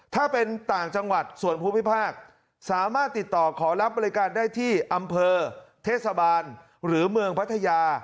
ถ้าเป็นต่างจังหวัดส่วนภูมิภาคสามารถติดต่อขอรับบริการได้ที่อำเภอเทศบาลหรือเมืองพัทยา